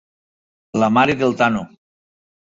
La mare del Tano!